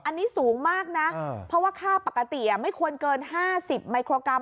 อันนี้สูงมากนะเพราะว่าค่าปกติไม่ควรเกิน๕๐มิโครกรัม